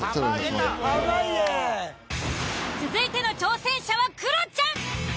続いての挑戦者はクロちゃん。